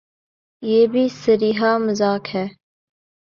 یہ بھی صریحا مذاق ہے۔